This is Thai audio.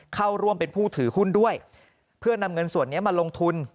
เข้าร่วมเป็นผู้ถือหุ้นด้วยเพื่อนำเงินส่วนนี้มาลงทุน